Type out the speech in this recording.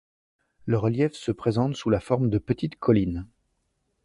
Le relief se présente sous la forme de petites collines.